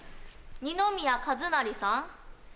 二宮和也さん？